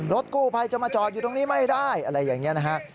รถกู้ภัยจะมาจอดอยู่ตรงนี้ไม่ได้อะไรอย่างนี้นะฮะ